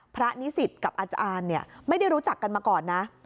นิสิตกับอาจารย์เนี่ยไม่ได้รู้จักกันมาก่อนนะ